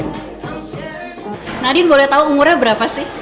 nadine boleh tahu umurnya berapa sih